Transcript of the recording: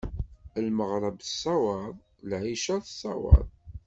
Lmeɣreb tessawaḍ, lɛica tessawaḍ.